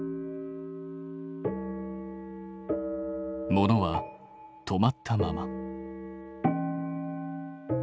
物は止まったまま。